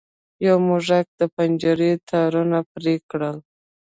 یو موږک د پنجرې تارونه پرې کړل.